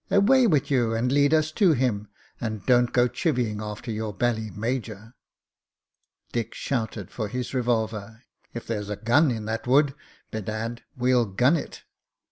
Away with you, and lead us to him, and don't go chivying after your bally major." Dick shouted for his revolver. "If there's a gun in that wood, bedad! we'll gun it."